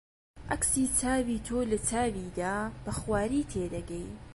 عەکسی چاوی تۆ لە چاویدا بە خواری تێدەگەی